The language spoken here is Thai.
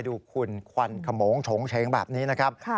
ดูคุณควันขมงโฉงเฉงแบบนี้นะครับ